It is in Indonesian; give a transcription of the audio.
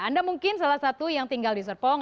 anda mungkin salah satu yang tinggal di serpong